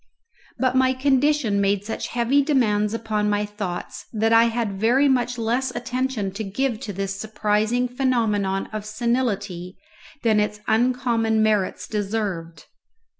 But my condition made such heavy demands upon my thoughts that I had very much less attention to give to this surprising phenomenon of senility than its uncommon merits deserved.